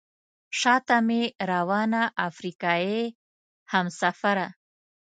شاته مې روانه افریقایي همسفره.